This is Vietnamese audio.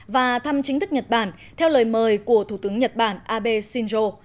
và thăm chính thức nhật bản theo lời mời của thủ tướng nhật bản abe shinzo